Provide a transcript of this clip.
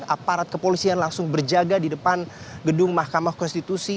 aparat kepolisian langsung berjaga di depan gedung mahkamah konstitusi